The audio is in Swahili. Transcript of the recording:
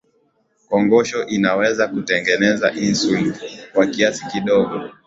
kongosho inaweza kutengeneza insulini kwa kiasi kidogo